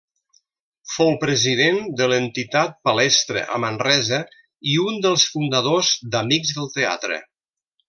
Fou president de l'entitat Palestra a Manresa i un dels fundadors d'Amics del Teatre.